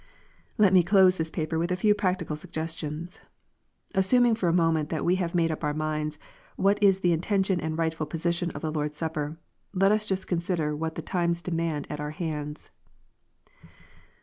Let me close this paper with a few practical suggestions. Assuming, for a moment, that we have made up our minds, what is the intention and rightful position of the Lord s Supper, let us just consider what the times demand at our 1 lands.